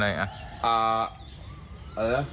อ่าเอิ้อ